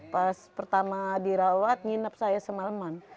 pas pertama dirawat nginep saya semaleman